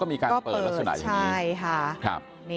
ก็มีการเปิดลักษณะอย่างนี้